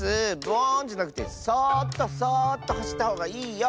ブオーンじゃなくてそっとそっとはしったほうがいいよ。